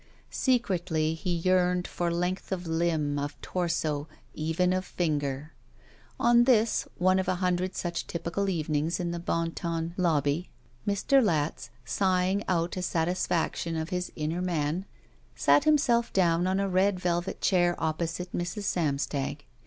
Secretly he yearned for length of limb, of torso, even of finger. On this, one of a hundred such typical evenings in the Bon Ton lobby, Mr. Latz, sighing out a satis faction of his inner man, sat himself down on a red velvet chair opposite Mrs. Samstag.